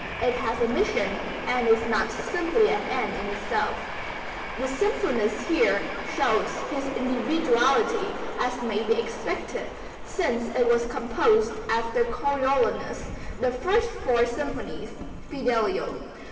It has a mission and is not simply an end in itself. The Symphonist here shows his individuality as may be expected, since it was composed after Coriolanus, the first four symphonies, Fidelio.